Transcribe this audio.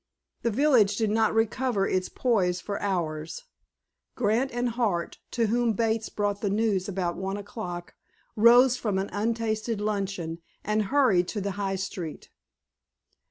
The village did not recover its poise for hours. Grant and Hart, to whom Bates brought the news about one o'clock, rose from an untasted luncheon and hurried to the high street.